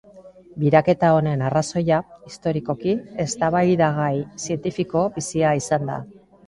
Biraketa honen arrazoia, historikoki, eztabaidagai zientifiko bizia izan da.